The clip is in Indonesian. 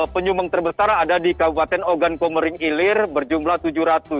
penyumbang terbesar ada di kabupaten ogan komering ilir berjumlah tujuh ratus